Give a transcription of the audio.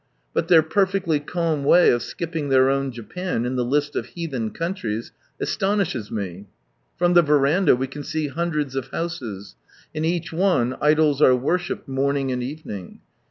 But their perfectly calm way of skipping their own Japan in the list of " heathen countries " astonishes me* From the verandah we can see hun dreds of houses ; in each one idols are worshipped morning and evening.